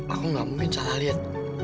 aku gak mungkin salah lihat